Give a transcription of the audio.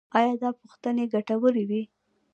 ایا دا پوښتنې ګټورې وې؟